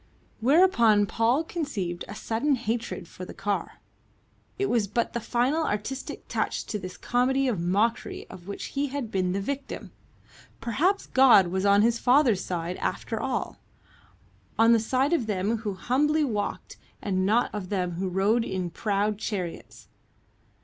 Whereupon Paul conceived a sudden hatred for the car. It was but the final artistic touch to this comedy of mockery of which he had been the victim.... Perhaps God was on his father's side, after all on the side of them who humbly walked and not of them who rode in proud chariots.